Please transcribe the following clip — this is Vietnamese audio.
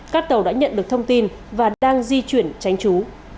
các tàu đã nhận được thông tin và đang di chuyển tránh trú